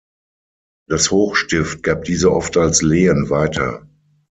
Das Hochstift gab diese oft als Lehen weiter.